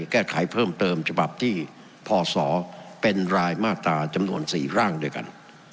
แก้ไขเพิ่มเติมฉบับที่พศเป็นรายมาตราจำนวน๔ร่างด้วยกัน